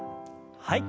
はい。